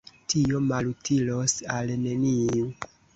Tio malutilos al neniu.